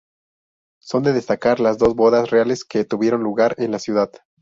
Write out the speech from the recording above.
Son de destacar las dos bodas reales que tuvieron lugar en la ciudad.